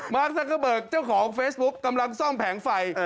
มาร์คซักเข้าเบิกเจ้าของเฟซบุ๊กกำลังซ่อมแผงไฟ